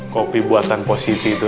kopi buatan positi itu